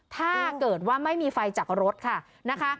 ถ้าเกิดว่าไม่มีไฟจากรถค่ะนะคะ